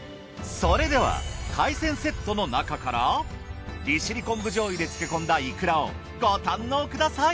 それでは海鮮セットのなかから利尻昆布醤油で漬け込んだいくらをご堪能ください。